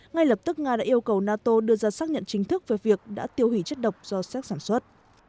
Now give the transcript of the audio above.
ngay lập tức nga đã yêu cầu nato đưa ra xác nhận chính thức về việc đã tiêu hủy chất độc do séc sản xuất